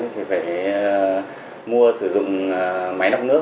tôi sẽ phải mua sử dụng máy lọc nước